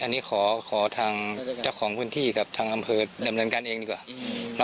อันนี้ขอจากเจ้าของพื้นที่ทางอำเพิร์ทดำรึงกันเองดีกว่า